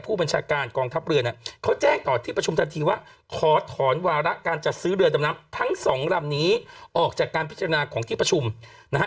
ผู้บัญชาการกองทัพเรือเนี่ยเขาแจ้งต่อที่ประชุมทันทีว่าขอถอนวาระการจัดซื้อเรือดำน้ำทั้งสองลำนี้ออกจากการพิจารณาของที่ประชุมนะฮะ